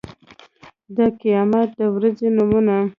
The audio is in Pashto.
د قيامت د ورځې نومونه